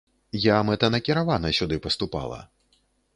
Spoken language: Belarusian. Я мэтанакіравана сюды паступала.